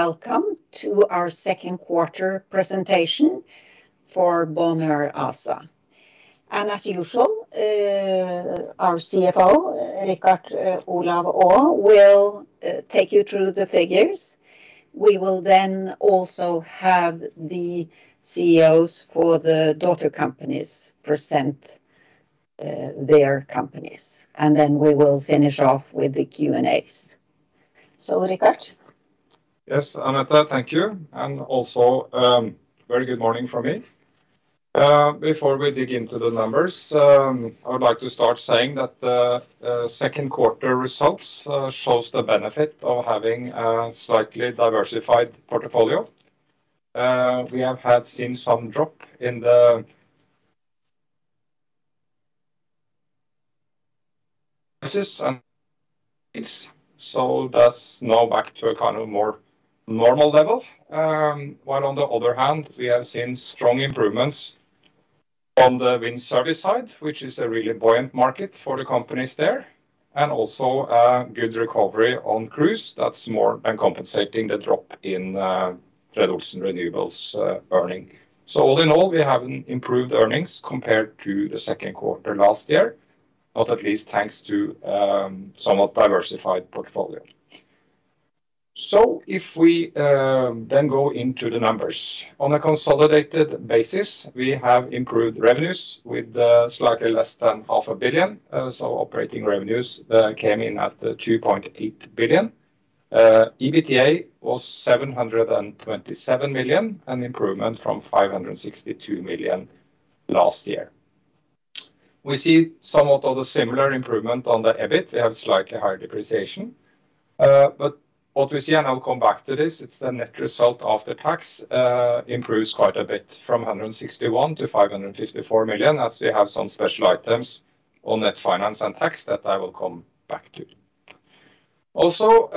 Welcome to our second quarter presentation for Bonheur ASA. As usual, our CFO, Richard Olav Aa, will take you through the figures. We will then also have the CEOs for the daughter companies present their companies, and then we will finish off with the Q&A's. Richard? Yes, Annette, thank you. Very good morning from me. Before we dig into the numbers, I would like to start saying that the second quarter results shows the benefit of having a slightly diversified portfolio. We have had seen some drop in the prices, so that's now back to a kind of more normal level. While on the other hand, we have seen strong improvements on the wind service side, which is a really buoyant market for the companies there, and also a good recovery on cruise that's more than compensating the drop in Fred. Olsen Renewables earning. All in all, we have improved earnings compared to the second quarter last year, not at least thanks to somewhat diversified portfolio. If we then go into the numbers. On a consolidated basis, we have improved revenues with slightly less than half a billion. Operating revenues came in at 2.8 billion. EBITDA was 727 million, an improvement from 562 million last year. We see somewhat of a similar improvement on the EBIT. We have slightly higher depreciation. What we see, and I'll come back to this, it's the net result of the tax improves quite a bit from 161 million-554 million, as we have some special items on net finance and tax that I will come back to. Also,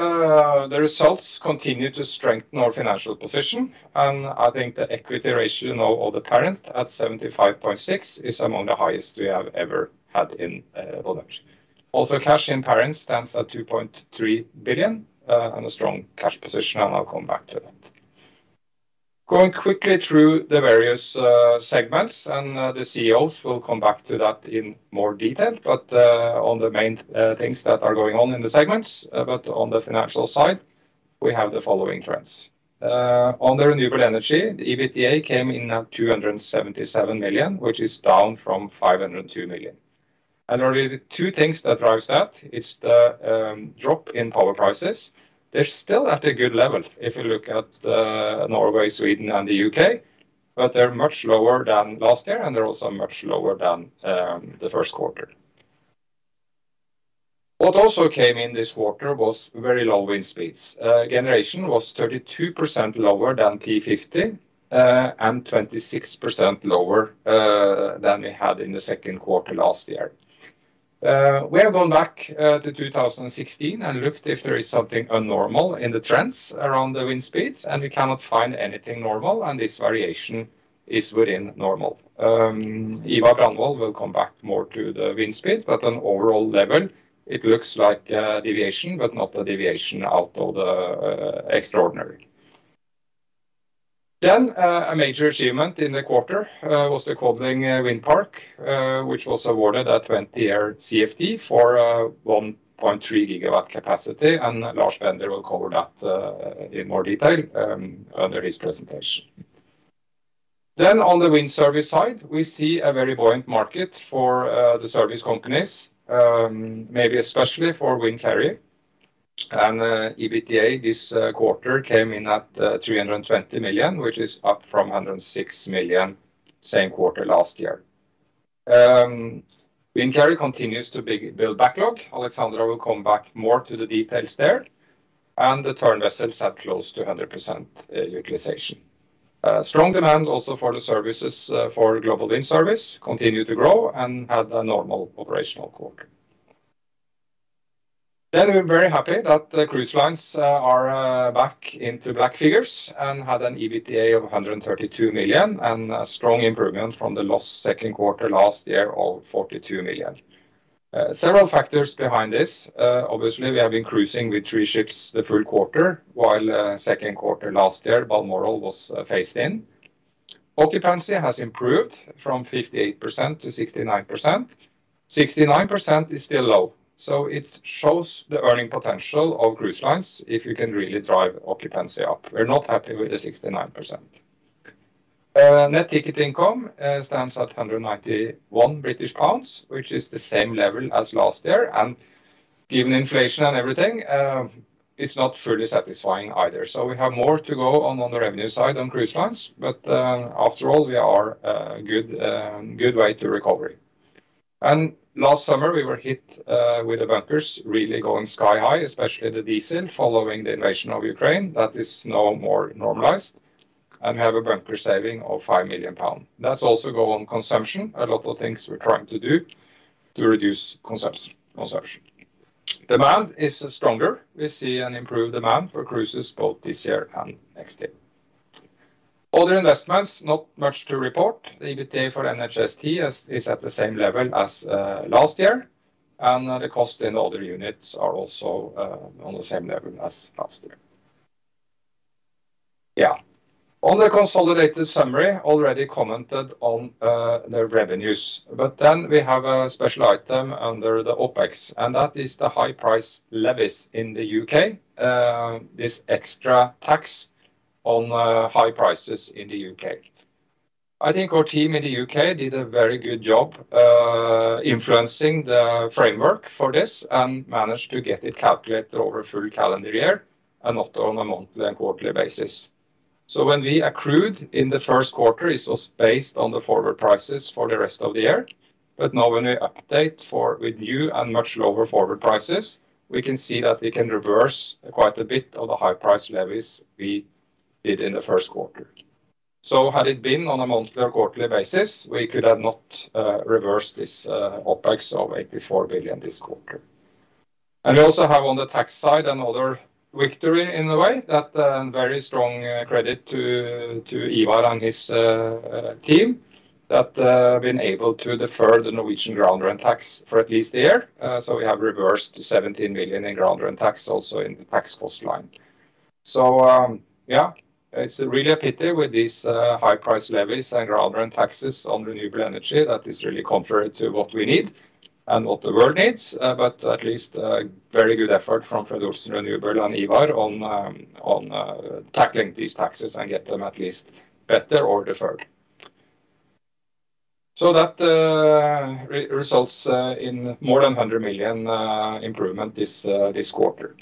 the results continue to strengthen our financial position, and I think the equity ratio now of the parent, at 75.6%, is among the highest we have ever had in Bonheur. Cash in parent stands at 2.3 billion and a strong cash position, and I'll come back to that. Going quickly through the various segments, and the CEOs will come back to that in more detail, but on the main things that are going on in the segments, but on the financial side, we have the following trends. On the renewable energy, EBITDA came in at 277 million, which is down from 502 million. There are two things that drives that. It's the drop in power prices. They're still at a good level if you look at Norway, Sweden and the U.K., but they're much lower than last year, and they're also much lower than the first quarter. What also came in this quarter was very low wind speeds. Generation was 32% lower than P50 and 26% lower than we had in the second quarter last year. We have gone back to 2016 and looked if there is something unnormal in the trends around the wind speeds, and we cannot find anything normal, and this variation is within normal. Ivar Brandvold will come back more to the wind speeds. On overall level, it looks like a deviation, but not a deviation out of the extraordinary. A major achievement in the quarter was the Codling Wind Park, which was awarded a 20-year CFD for 1.3 GW capacity. Lars Bender will cover that in more detail under his presentation. On the wind service side, we see a very buoyant market for the service companies, maybe especially for Windcarrier. EBITDA this quarter came in at 320 million, which is up from 106 million same quarter last year. Windcarrier continues to build backlog. Alexandra will come back more to the details there, and the tower vessels had close to 100% utilization. Strong demand also for the services, for Global Wind Service continued to grow and had a normal operational quarter. We're very happy that the cruise lines are back into black figures and had an EBITDA of 132 million, and a strong improvement from the last second quarter last year of 42 million. Several factors behind this. Obviously, we have been cruising with three ships the full quarter, while second quarter last year, Balmoral was faced in. Occupancy has improved from 58%-69%. 69% is still low, so it shows the earning potential of cruise lines if you can really drive occupancy up. We're not happy with the 69%. Net ticket income stands at 191 British pounds, which is the same level as last year, and given inflation and everything, it's not fully satisfying either. We have more to go on the revenue side on cruise lines, but after all, we are good way to recovery. Last summer, we were hit with the bunkers really going sky high, especially the diesel, following the invasion of Ukraine. That is now more normalized. We have a bunker saving of 5 million pounds. That's also go on consumption, a lot of things we're trying to do to reduce consumption. Demand is stronger. We see an improved demand for cruises both this year and next year. Other investments, not much to report. The EBITDA for NHST is at the same level as last year, and the cost in the other units are also on the same level as last year. Yeah. On the consolidated summary, already commented on the revenues, but then we have a special item under the OpEx, and that is the high price levies in the U.K.. This extra tax on high prices in the U.K.. I think our team in the U.K. did a very good job, influencing the framework for this, and managed to get it calculated over a full calendar year and not on a monthly and quarterly basis. When we accrued in the first quarter, it was based on the forward prices for the rest of the year, but now when we update for with new and much lower forward prices, we can see that we can reverse quite a bit of the high price levies we did in the first quarter. Had it been on a monthly or quarterly basis, we could have not reversed this OpEx of 84 billion this quarter. We also have on the tax side, another victory in a way, that very strong credit to Ivar and his team, that have been able to defer the Norwegian ground rent tax for at least a year. We have reversed 17 million in ground rent tax, also in the tax cost line. Yeah, it's really a pity with these high price levies and ground rent taxes on renewable energy that is really contrary to what we need, and what the world needs. At least a very good effort from Fred. Olsen Renewables and Ivar on tackling these taxes and get them at least better or deferred. That results in more than 100 million improvement this quarter.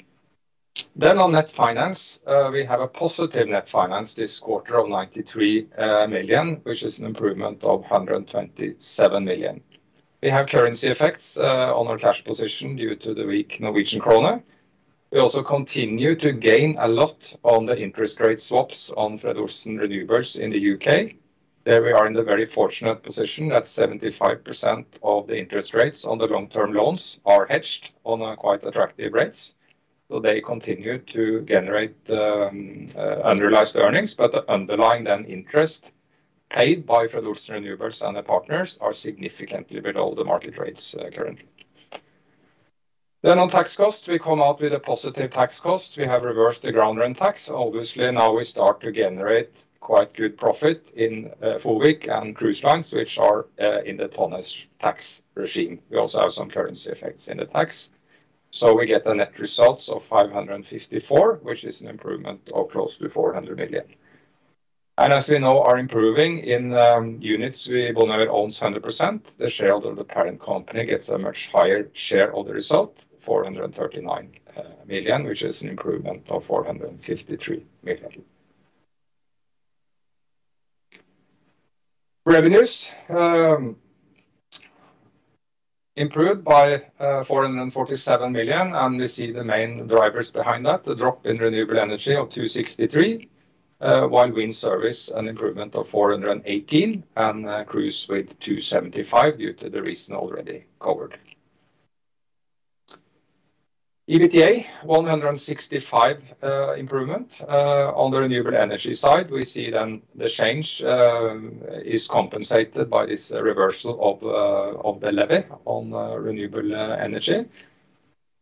On net finance, we have a positive net finance this quarter of 93 million, which is an improvement of 127 million. We have currency effects on our cash position due to the weak Norwegian kroner. We also continue to gain a lot on the interest rate swaps on Fred. Olsen Renewables in the U.K.. There we are in the very fortunate position that 75% of the interest rates on the long-term loans are hedged on a quite attractive rates. They continue to generate unrealized earnings, but underlying then interest paid by Fred. Olsen Renewables and their partners are significantly below the market rates currently. On tax cost, we come out with a positive tax cost. We have reversed the ground rent tax. Obviously, now we start to generate quite good profit in FOWIC and Cruise Lines, which are in the tonnage tax regime. We also have some currency effects in the tax, so we get the net results of 554 million, which is an improvement of close to 400 million. As we know, are improving in units we Bonheur owns 100%. The share of the parent company gets a much higher share of the result, 439 million, which is an improvement of 453 million. Revenues improved by 447 million. We see the main drivers behind that, the drop in renewable energy of 263 million, while wind service, an improvement of 418 million, and cruise with 275 million due to the reason already covered. EBITDA, 165 improvement. On the renewable energy side, we see then the change, is compensated by this reversal of the levy on renewable energy.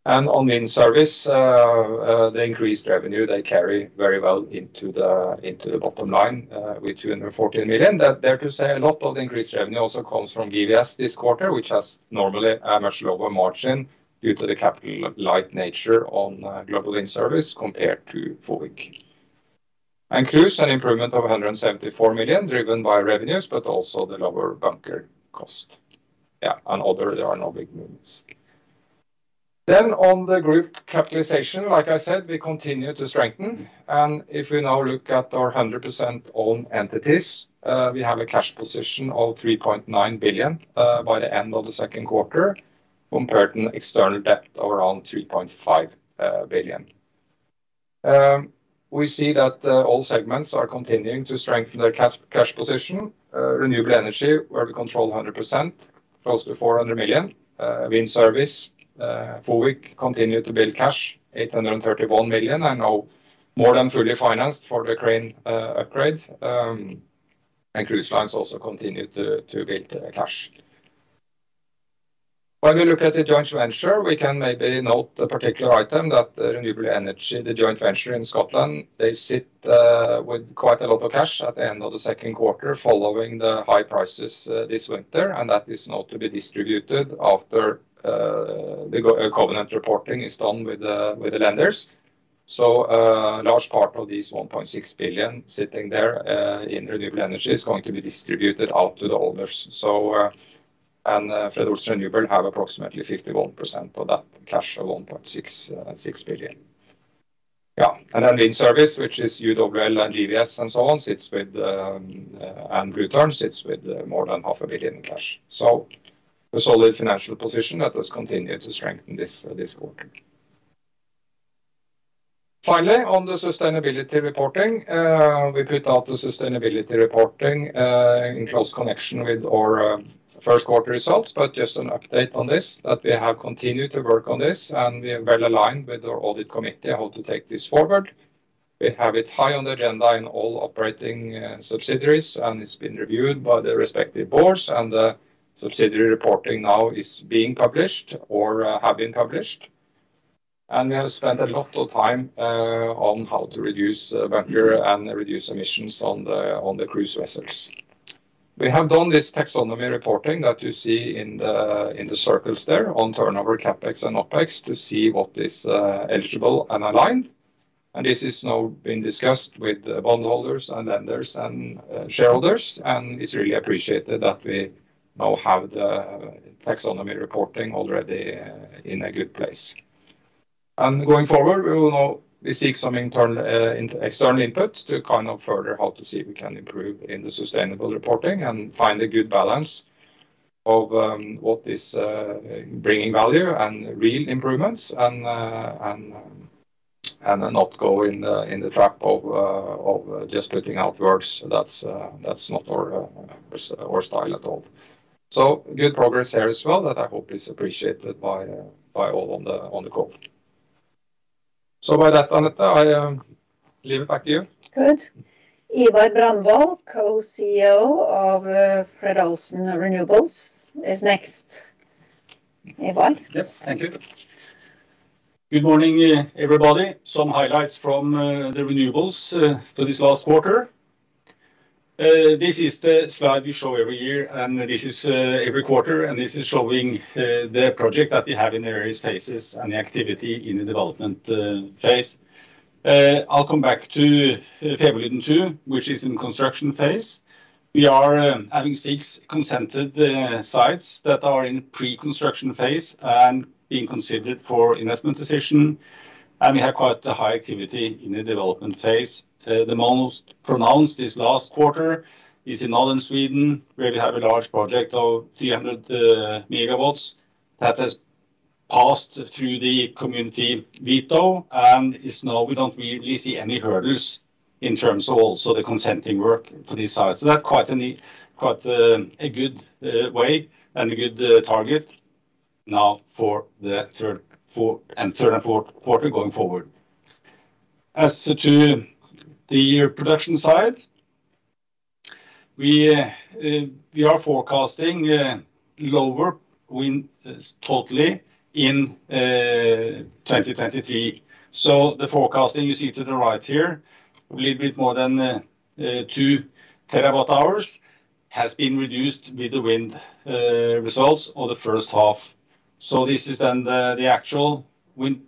On wind service, the increased revenue, they carry very well into the bottom line, with 214 million. That dare to say a lot of the increased revenue also comes from GBS this quarter, which has normally a much lower margin due to the capital light nature on Global Wind Service compared to FOWIC. Cruise, an improvement of 174 million, driven by revenues, but also the lower bunker cost. Yeah, other, there are no big movements. On the group capitalization, like I said, we continue to strengthen, and if we now look at our 100% owned entities, we have a cash position of 3.9 billion by the end of the second quarter, compared to an external debt of around 3.5 billion. We see that all segments are continuing to strengthen their cash position. Renewable energy, where we control 100%, close to 400 million. Wind service, FOWIC continued to build cash, 831 million, and now more than fully financed for the crane upgrade. Cruise Lines also continued to build cash. When we look at the joint venture, we can maybe note the particular item that the renewable energy, the joint venture in Scotland, they sit with quite a lot of cash at the end of the second quarter, following the high prices this winter. That is now to be distributed after the covenant reporting is done with the lenders. Large part of these 1.6 billion sitting there in renewable energy is going to be distributed out to the owners. Fred. Olsen Renewables have approximately 51% of that cash of 1.66 billion. Global Wind Service, which is UWL and GBS and so on, and Return, sits with more than NOK half a billion cash. A solid financial position that has continued to strengthen this quarter. Finally, on the sustainability reporting, we put out the sustainability reporting, in close connection with our, first quarter results. Just an update on this, that we have continued to work on this, and we are well aligned with our audit committee on how to take this forward. we have it high on the agenda in all operating, subsidiaries, and it's been reviewed by the respective boards, and the subsidiary reporting now is being published or, have been published. We have spent a lot of time, on how to reduce, bunker and reduce emissions on the cruise vessels. We have done this taxonomy reporting that you see in the circles there on turnover, CapEx and OpEx, to see what is eligible and aligned, and this is now being discussed with the bondholders and lenders and shareholders. It's really appreciated that we now have the taxonomy reporting already in a good place. Going forward, we seek some internal external input to kind of further how to see if we can improve in the sustainable reporting and find a good balance of what is bringing value and real improvements and not go in the trap of just putting out words. That's not our style at all. Good progress here as well, that I hope is appreciated by all on the call. With that, Anette, I leave it back to you. Good. Ivar Brandvold, Co-CEO of Fred. Olsen Renewables, is next. Ivar? Yep, thank you. Good morning, everybody. Some highlights from the renewables for this last quarter. This is the slide we show every year, this is every quarter, this is showing the project that we have in the various phases and the activity in the development phase. I'll come back to Fäbodliden II, which is in construction phase. We are having six consented sites that are in preconstruction phase and being considered for investment decision, we have quite a high activity in the development phase. The most pronounced this last quarter is in Northern Sweden, where we have a large project of 300 MW, that has passed through the community veto is now we don't really see any hurdles in terms of also the consenting work for these sites. That quite a neat, quite a good way and a good target now for the third and fourth quarter going forward. As to the production side, we are forecasting lower wind totally in 2023. The forecasting you see to the right here, a little bit more than 2 TW hours, has been reduced with the wind results of the first half. This is then the actual wind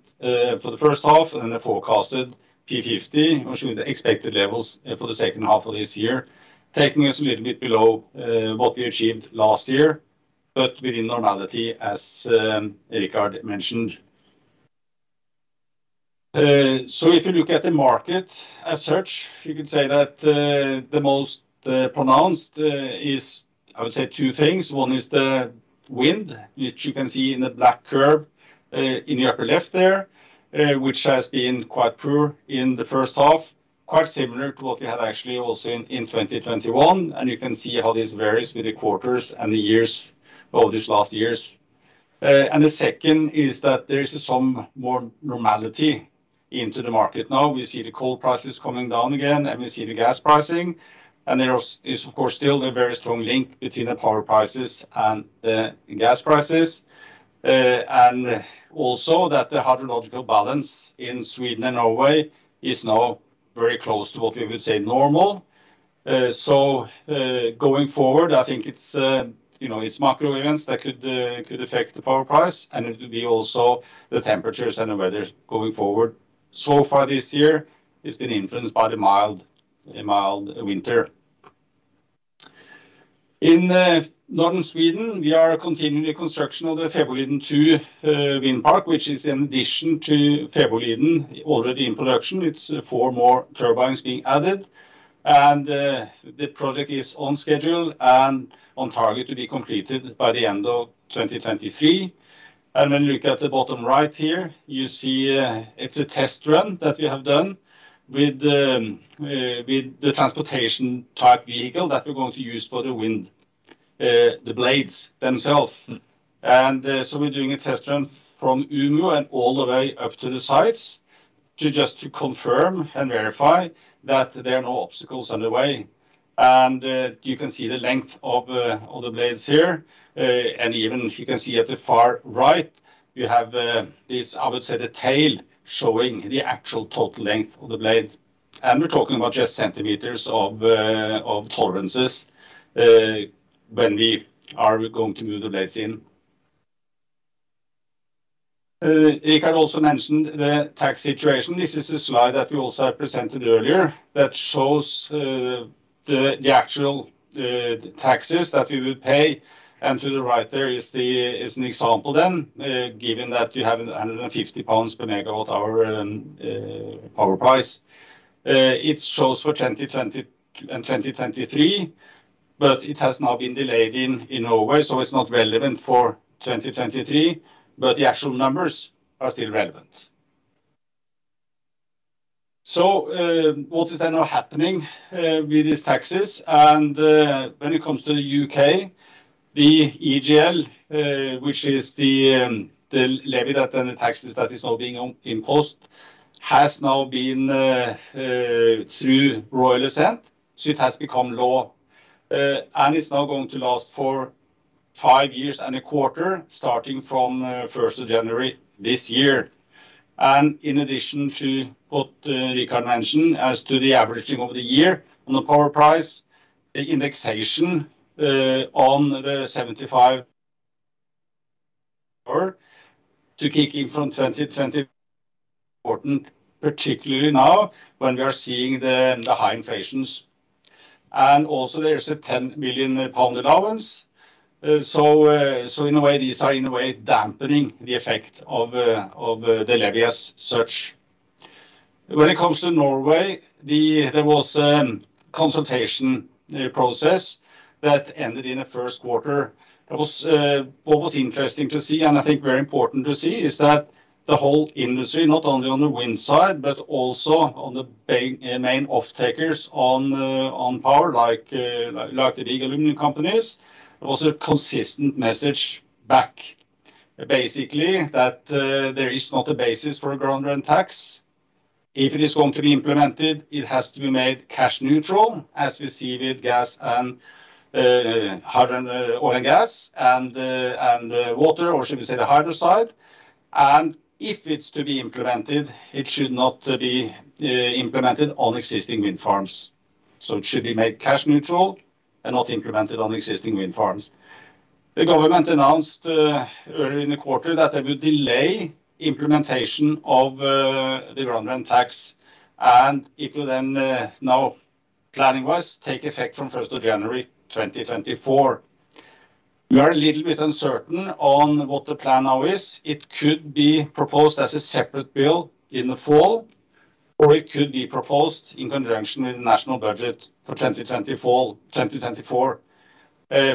for the first half and the forecasted P50, which is the expected levels for the second half of this year, taking us a little bit below what we achieved last year, but within normality, as Richard mentioned. If you look at the market as such, you could say that the most pronounced is, I would say two things. One is the wind, which you can see in the black curve, in the upper left there, which has been quite poor in the first half, quite similar to what we had actually also in 2021, and you can see how this varies with the quarters and the years of these last years. The second is that there is some more normality into the market now. We see the coal prices coming down again, and we see the gas pricing. There is of course, still a very strong link between the power prices and the gas prices. Also that the hydrological balance in Sweden and Norway is now very close to what we would say normal. Going forward, I think it's, you know, it's macro events that could affect the power price, and it will be also the temperatures and the weather going forward. So far this year, it's been influenced by a mild winter. In Northern Sweden, we are continuing the construction of the Fäbodliden II wind park, which is in addition to Fäbodliden, already in production. It's four more turbines being added, and the project is on schedule and on target to be completed by the end of 2023. When you look at the bottom right here, you see, it's a test run that we have done with the, with the transportation type vehicle that we're going to use for the wind, the blades themselves. So we're doing a test run from Umeå and all the way up to the sites to just to confirm and verify that there are no obstacles on the way. You can see the length of the blades here. Even you can see at the far right, you have, this, I would say, the tail, showing the actual total length of the blades. We're talking about just centimeters of tolerances, when we are going to move the blades in. Richard also mentioned the tax situation. This is a slide that we also have presented earlier that shows the actual taxes that we will pay. To the right there is an example then, given that you have 150 pounds per megawatt hour and power price. It shows for 2020 and 2023, but it has now been delayed in Norway, so it's not relevant for 2023, but the actual numbers are still relevant. What is now happening with these taxes and when it comes to the U.K.? The EGL, which is the levy that and the taxes that is now being imposed, has now been through Royal Assent. It has become law, and it's now going to last for five years and a quarter, starting from 1st of January this year. In addition to what Richard mentioned as to the averaging over the year on the power price, the indexation on the 75 or to kick in from 2020 important, particularly now, when we are seeing the high inflations. Also there is a 10 million pound allowance. In a way, these are in a way dampening the effect of the levies search. When it comes to Norway, there was a consultation process that ended in the first quarter. It was. What was interesting to see, and I think very important to see, is that the whole industry, not only on the wind side, but also on the main off takers on power, like the big aluminum companies, was a consistent message back. Basically, that there is not a basis for a ground rent tax. If it is going to be implemented, it has to be made cash neutral, as we see with gas and hydrogen, oil and gas, and and water, or should we say, the hydro side. If it's to be implemented, it should not be implemented on existing wind farms. It should be made cash neutral and not implemented on existing wind farms. The government announced earlier in the quarter that they would delay implementation of the ground rent tax, and it will then now, planning-wise, take effect from 1st of January 2024. We are a little bit uncertain on what the plan now is. It could be proposed as a separate bill in the fall, or it could be proposed in conjunction with the national budget for 2024.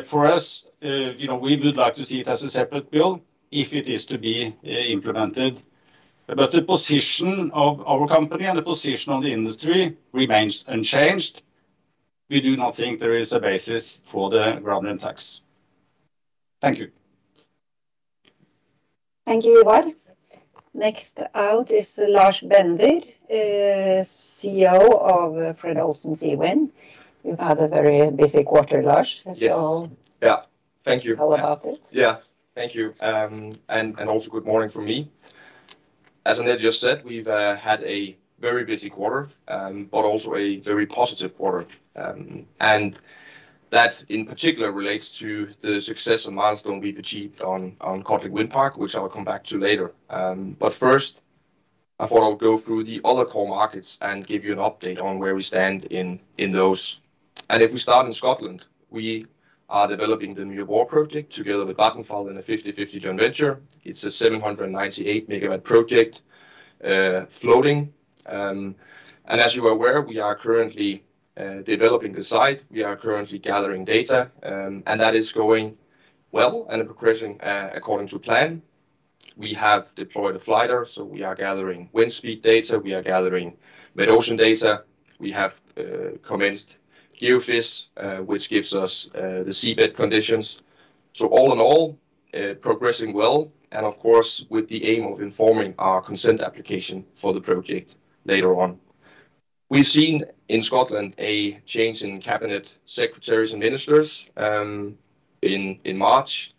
For us, you know, we would like to see it as a separate bill if it is to be implemented. The position of our company and the position of the industry remains unchanged. We do not think there is a basis for the ground rent tax. Thank you. Thank you, Ivar. Next out is Lars Bender, CEO of Fred. Olsen Seawind. You've had a very busy quarter, Lars. Yes. -so. Yeah. Thank you. Tell about it. Yeah. Thank you. Also good morning from me. As Annette just said, we've had a very busy quarter, but also a very positive quarter. That in particular relates to the success and milestone we've achieved on Scotland wind park, which I will come back to later. First, I thought I would go through the other core markets and give you an update on where we stand in those. If we start in Scotland, we are developing the Muir Mhòr project together with Vattenfall in a 50/50 joint venture. It's a 798 MW project, floating. As you are aware, we are currently developing the site. We are currently gathering data, and that is going well and progressing according to plan. We have deployed a floating LiDAR, so we are gathering wind speed data, we are gathering mid-ocean data. We have commenced geophys, which gives us the seabed conditions. All in all, progressing well, and of course, with the aim of informing our consent application for the project later on. We've seen in Scotland a change in cabinet secretaries and ministers in March,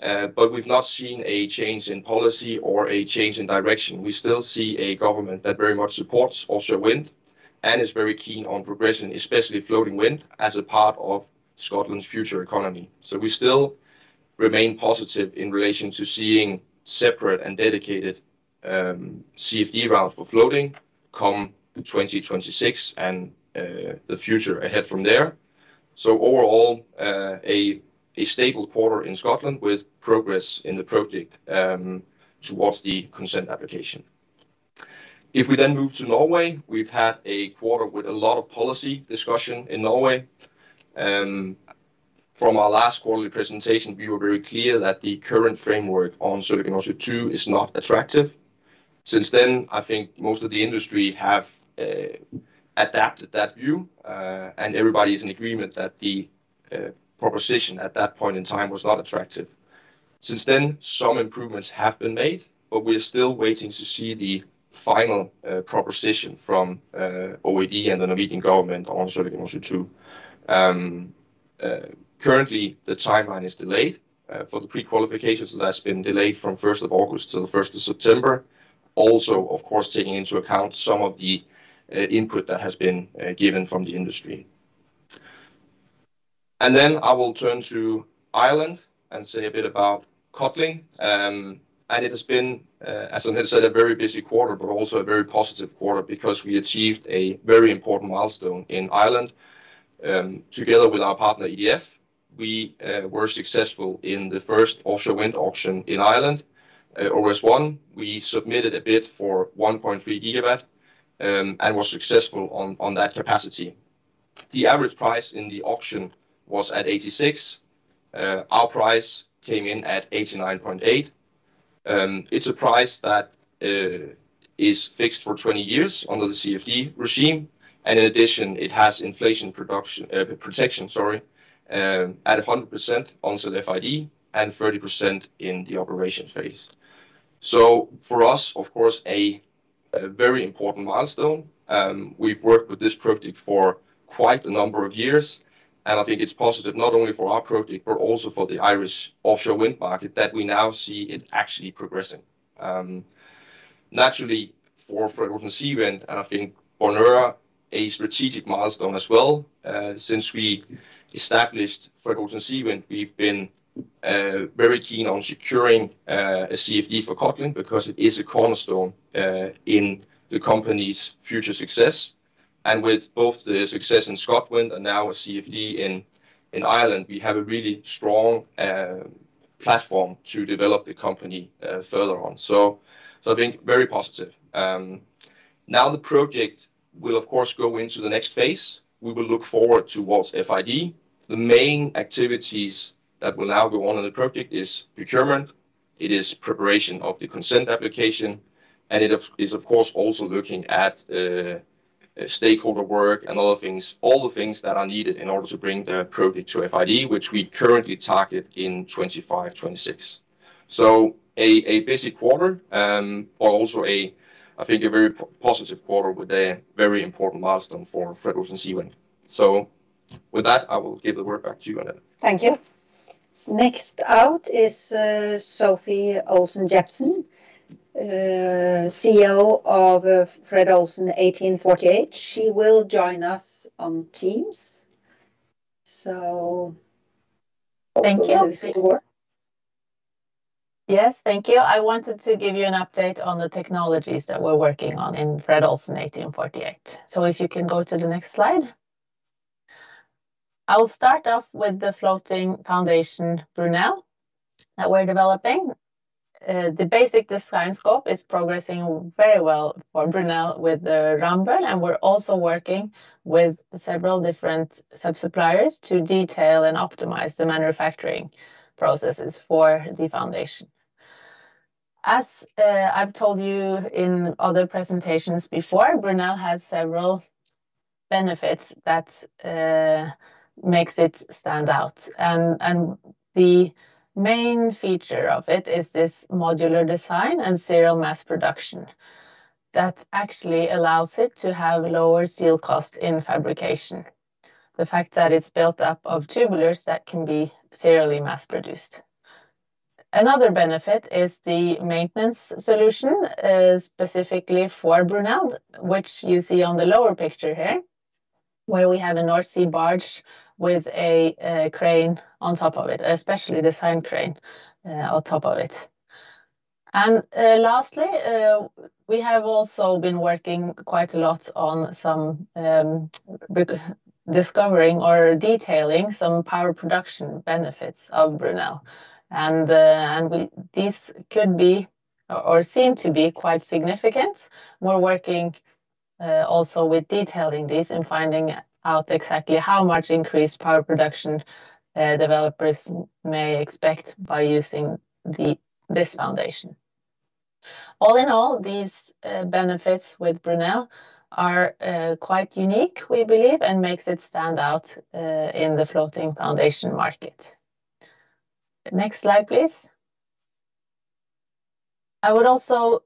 but we've not seen a change in policy or a change in direction. We still see a government that very much supports offshore wind and is very keen on progression, especially floating wind, as a part of Scotland's future economy. We still remain positive in relation to seeing separate and dedicated CfD route for floating come 2026 and the future ahead from there. Overall, a stable quarter in Scotland with progress in the project towards the consent application. We've had a quarter with a lot of policy discussion in Norway. From our last quarterly presentation, we were very clear that the current framework on Sørlige Nordsjø II is not attractive. Since then, I think most of the industry have adapted that view, and everybody is in agreement that the proposition at that point in time was not attractive. Since then, some improvements have been made, we're still waiting to see the final proposition from OED and the Norwegian government on Sørlige Nordsjø II. Currently, the timeline is delayed. For the pre-qualifications, that's been delayed from 1st of August-1st of September. Also, of course, taking into account some of the input that has been given from the industry. I will turn to Ireland and say a bit about Codling. It has been, as I said, a very busy quarter, but also a very positive quarter because we achieved a very important milestone in Ireland. Together with our partner, EDF, we were successful in the first offshore wind auction in Ireland. Always one, we submitted a bid for 1.3 GW and was successful on that capacity. The average price in the auction was at 86. Our price came in at 89.8. It's a price that is fixed for 20 years under the CfD regime. In addition, it has inflation protection at 100% onto the FID and 30% in the operation phase. For us, of course, a very important milestone. We've worked with this project for quite a number of years. I think it's positive not only for our project but also for the Irish offshore wind market that we now see it actually progressing. Naturally, for Fred. Olsen Seawind, I think Honu, a strategic milestone as well. Since we established Fred. Olsen Seawind, we've been very keen on securing a CfD for Scotland because it is a cornerstone in the company's future success. With both the success in Scotland and now a CFD in Ireland, we have a really strong platform to develop the company further on. I think very positive. Now the project will, of course, go into the next phase. We will look forward towards FID. The main activities that will now go on in the project is procurement, it is preparation of the consent application, and it is, of course, also looking at stakeholder work and other things, all the things that are needed in order to bring the project to FID, which we currently target in 2025, 2026. A busy quarter, but also I think a very positive quarter with a very important milestone for Fred. Olsen Seawind. With that, I will give the word back to you, Anette. Thank you. Next out is Sofie Olsen Jebsen, CEO of Fred. Olsen 1848. She will join us on Teams. Thank you. Hopefully that will work. Yes, thank you. I wanted to give you an update on the technologies that we're working on in Fred. Olsen 1848. If you can go to the next slide. I will start off with the floating foundation, BRUNEL, that we're developing. The basic design scope is progressing very well for BRUNEL with the Ramboll, and we're also working with several different sub-suppliers to detail and optimize the manufacturing processes for the foundation. As I've told you in other presentations before, BRUNEL has several benefits that makes it stand out, and the main feature of it is this modular design and serial mass production. That actually allows it to have lower steel cost in fabrication. The fact that it's built up of tubulars, that can be serially mass-produced. Another benefit is the maintenance solution, specifically for BRUNEL, which you see on the lower picture here, where we have a North Sea barge with a crane on top of it, a specially designed crane on top of it. Lastly, we have also been working quite a lot on some rediscovering or detailing some power production benefits of BRUNEL. This could be or seem to be quite significant. We're working also with detailing this and finding out exactly how much increased power production developers may expect by using this foundation. All in all, these benefits with BRUNEL are quite unique, we believe, and makes it stand out in the floating foundation market. Next slide, please. I would also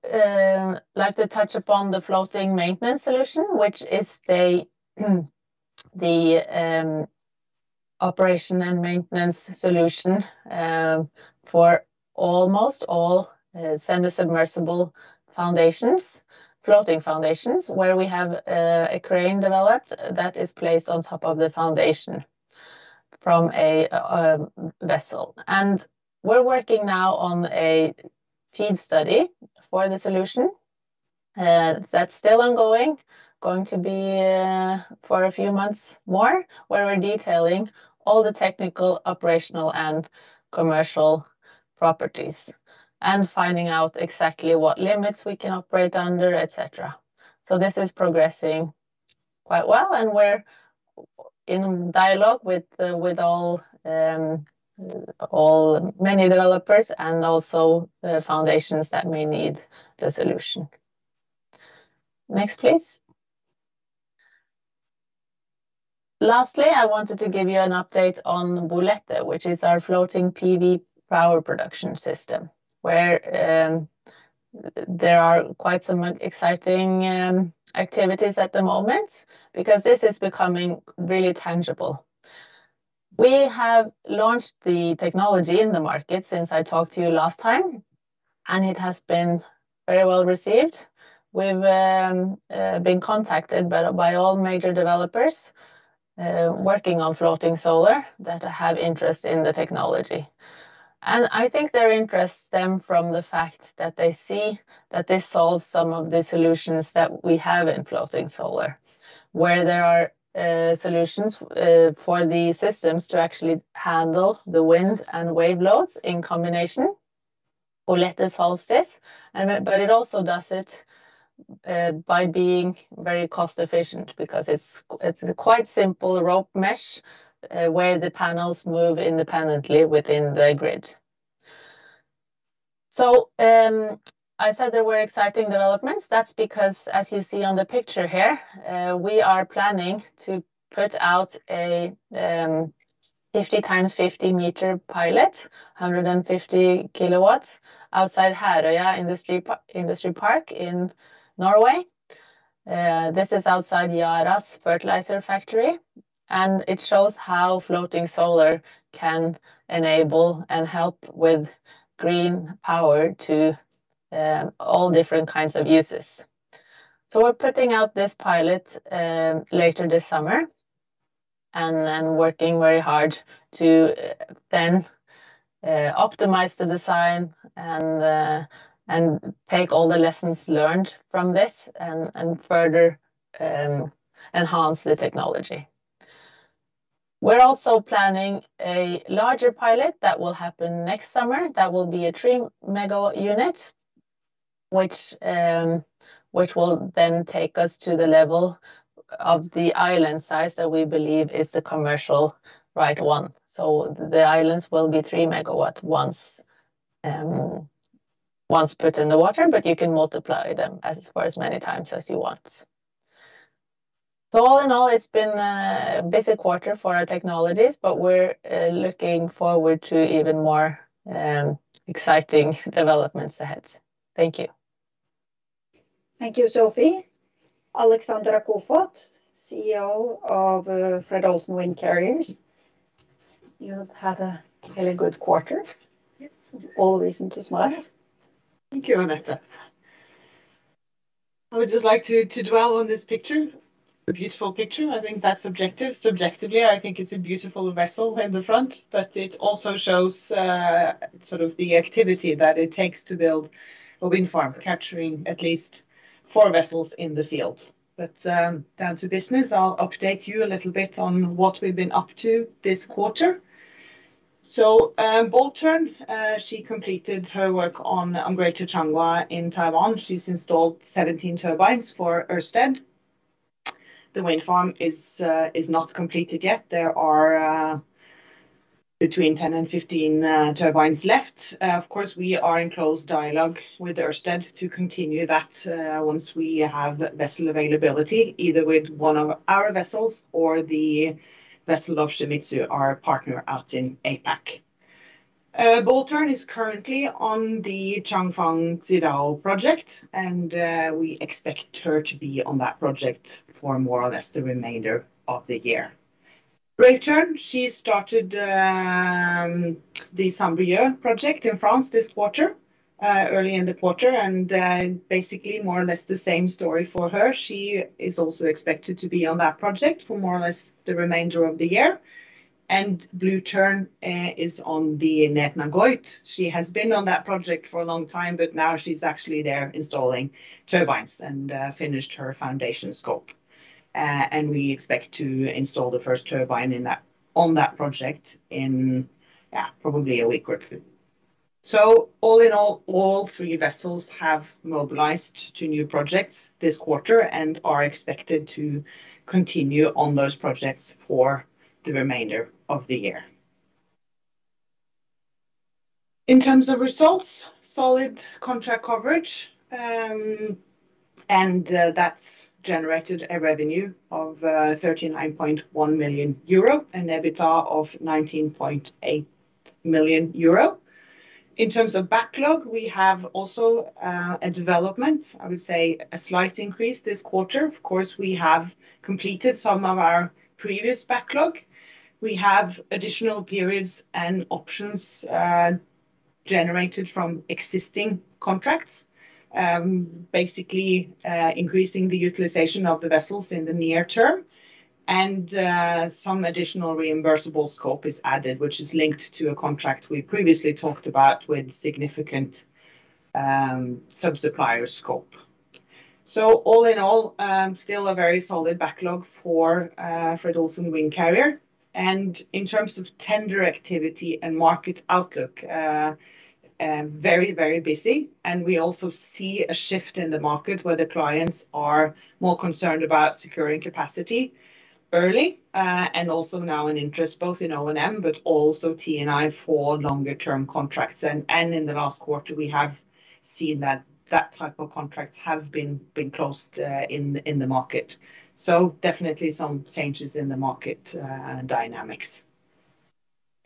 like to touch upon the floating maintenance solution, which is the operation and maintenance solution for almost all semi-submersible foundations, floating foundations, where we have a crane developed that is placed on top of the foundation from a vessel. We're working now on a FEED study for the solution that's still ongoing. Going to be for a few months more, where we're detailing all the technical, operational, and commercial properties, and finding out exactly what limits we can operate under, et cetera. This is progressing quite well, and we're in dialogue with the, with all many developers and also foundations that may need the solution. Next, please. Lastly, I wanted to give you an update on Bolette, which is our floating PV power production system, where there are quite some exciting activities at the moment because this is becoming really tangible. We have launched the technology in the market since I talked to you last time, it has been very well received. We've been contacted by all major developers working on floating solar that have interest in the technology. I think their interest stem from the fact that they see that this solves some of the solutions that we have in floating solar, where there are solutions for the systems to actually handle the winds and wave loads in combination. Bolette solves this, but it also does. by being very cost-efficient because it's a quite simple rope mesh, where the panels move independently within the grid. I said there were exciting developments. That's because, as you see on the picture here, we are planning to put out a 50 times 50 m pilot, 150 kW outside Herøya Industrial Park in Norway. This is outside Yara's fertilizer factory, and it shows how floating solar can enable and help with green power to all different kinds of uses. We're putting out this pilot later this summer, and working very hard to optimize the design and take all the lessons learned from this and further enhance the technology. We're also planning a larger pilot that will happen next summer. That will be a 3 MW unit, which will then take us to the level of the island size that we believe is the commercial right one. The islands will be 3 MW once put in the water, but you can multiply them as for as many times as you want. All in all, it's been a busy quarter for our technologies, but we're looking forward to even more exciting developments ahead. Thank you. Thank you, Sophie. Alexandra Koefoed, CEO of Fred. Olsen Windcarrier. You've had a very good quarter. Yes. All reason to smile. Thank you, Anette. I would just like to dwell on this picture, a beautiful picture. I think that's objective. Subjectively, I think it's a beautiful vessel in the front, it also shows sort of the activity that it takes to build a wind farm, capturing at least four vessels in the field. Down to business, I'll update you a little bit on what we've been up to this quarter. Bold Tern, she completed her work on Greater Changhua in Taiwan. She's installed 17 turbines for Ørsted. The wind farm is not completed yet. There are between 10 and 15 turbines left. Of course, we are in close dialogue with Ørsted to continue that once we have vessel availability, either with one of our vessels or the vessel of Shimizu, our partner out in APAC. Bold Tern is currently on the Changfang and Xidao project, we expect her to be on that project for more or less the remainder of the year. Brave Tern, she started the Saint-Brieuc project in France this quarter, early in the quarter, basically more or less the same story for her. She is also expected to be on that project for more or less the remainder of the year. Blue Tern is on the Nedre Naøy. She has been on that project for a long time, but now she's actually there installing turbines and finished her foundation scope. We expect to install the first turbine in that, on that project in, yeah, probably a week or two. All in all three vessels have mobilized to new projects this quarter and are expected to continue on those projects for the remainder of the year. In terms of results, solid contract coverage, and that's generated a revenue of 39.1 million euro and EBITDA of 19.8 million euro. In terms of backlog, we have also a development, I would say a slight increase this quarter. Of course, we have completed some of our previous backlog. We have additional periods and options generated from existing contracts, basically increasing the utilization of the vessels in the near term. Some additional reimbursable scope is added, which is linked to a contract we previously talked about with significant sub-supplier scope. All in all, still a very solid backlog for Fred. Olsen Windcarrier. In terms of tender activity and market outlook, very busy, and we also see a shift in the market, where the clients are more concerned about securing capacity early, and also now an interest both in O&M, but also T&I for longer term contracts. In the last quarter, we have seen that that type of contracts have been closed in the market. Definitely some changes in the market dynamics.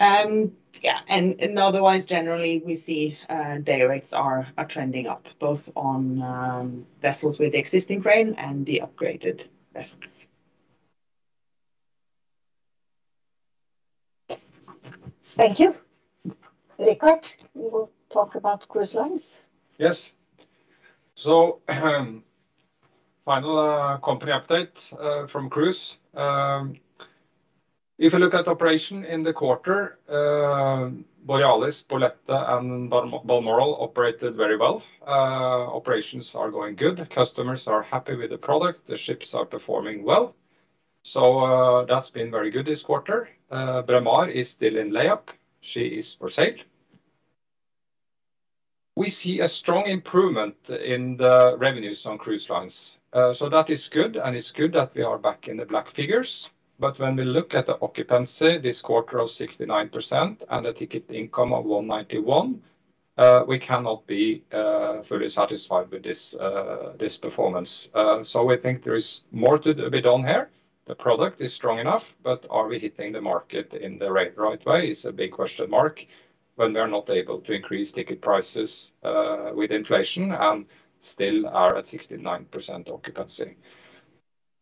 Yeah, otherwise, generally, we see day rates are trending up, both on vessels with existing crane and the upgraded vessels. Thank you. Richard, you will talk about cruise lines. Yes. Final company update from cruise. If you look at operation in the quarter, Borealis, Bolette, and Balmoral operated very well. Operations are going good. Customers are happy with the product. The ships are performing well. That's been very good this quarter. Braemar is still in lay-up. She is for sale. We see a strong improvement in the revenues on cruise lines. That is good, and it's good that we are back in the black figures. When we look at the occupancy this quarter of 69% and the ticket income of 191, we cannot be fully satisfied with this performance. We think there is more to be done here. The product is strong enough, are we hitting the market in the right way is a big question mark when we are not able to increase ticket prices with inflation and still are at 69% occupancy.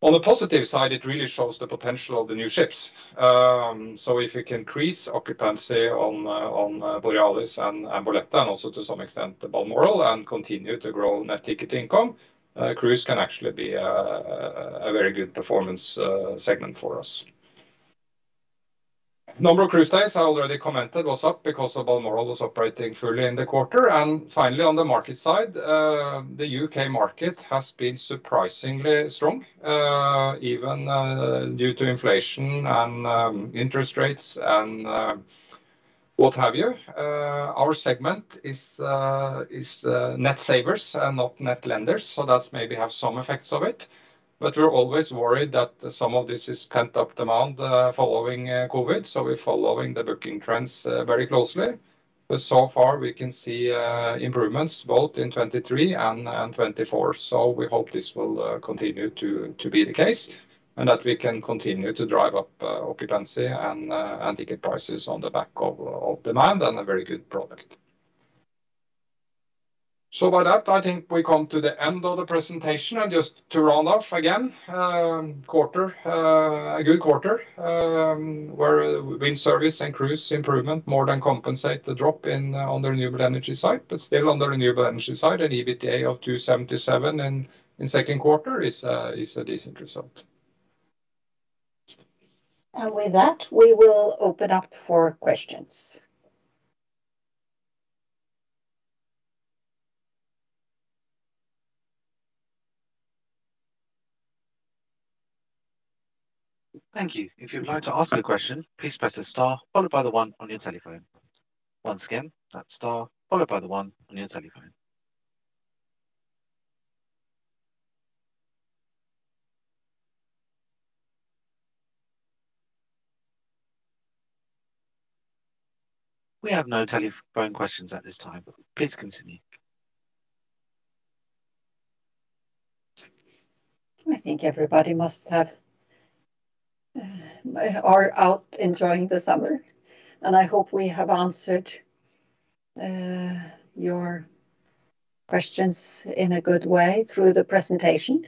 On the positive side, it really shows the potential of the new ships. If we can increase occupancy on Borealis and Bolette, and also to some extent the Balmoral, and continue to grow net ticket income, cruise can actually be a very good performance segment for us. Number of cruise days, I already commented, was up because of Balmoral was operating fully in the quarter. Finally, on the market side, the U.K. market has been surprisingly strong, even due to inflation and interest rates and what have you. Our segment is net savers and not net lenders, so that's maybe have some effects of it. We're always worried that some of this is pent-up demand following COVID, so we're following the booking trends very closely. So far, we can see improvements both in 2023 and 2024. We hope this will continue to be the case, and that we can continue to drive up occupancy and ticket prices on the back of demand and a very good product. With that, I think we come to the end of the presentation. Just to round off again, quarter a good quarter where wind service and cruise improvement more than compensate the drop in on the renewable energy side. Still on the renewable energy side, an EBITDA of 277 in second quarter is a decent result. With that, we will open up for questions. Thank you. If you'd like to ask a question, please press the star followed by the one on your telephone. Once again, that's star followed by the one on your telephone. We have no telephone questions at this time. Please continue. I think everybody are out enjoying the summer, and I hope we have answered your questions in a good way through the presentation.